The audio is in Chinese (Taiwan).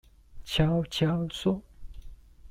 悄悄說